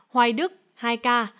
hoài đức hai ca